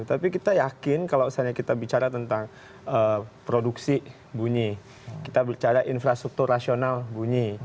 tapi kita yakin kalau misalnya kita bicara tentang produksi bunyi kita bicara infrastruktur rasional bunyi